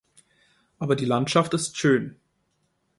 Aber die Landschaft ist schön.